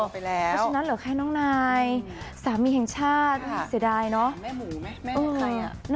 ซึ่งนั่นเหลือแค่น้องนายศาสตร์ใช่มั้ยเหมือนใครอ่ะ